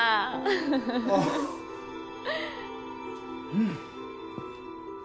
うん。